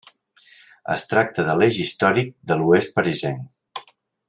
Es tracta de l'eix històric de l'oest parisenc.